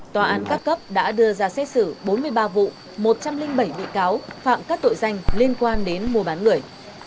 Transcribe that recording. tòa án các cấp đã đưa ra xét xử bốn mươi ba vụ một trăm linh bảy bị cáo phạm các tội danh liên quan đến mua bán người